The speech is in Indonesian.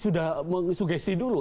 sudah sugesti dulu